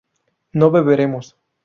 no beberemos